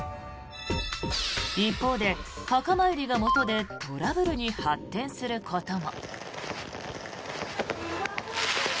一方で、墓参りがもとでトラブルに発展することも。